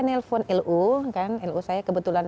nelfon lu kan lu saya kebetulan